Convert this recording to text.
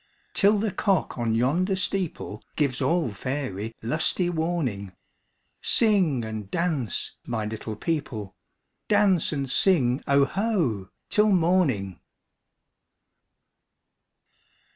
Till the cock on yonder steepleGives all faery lusty warning, Sing and dance, my little people,—Dance and sing "Oho" till morning!